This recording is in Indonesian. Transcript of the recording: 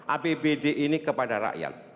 apbd ini kepada rakyat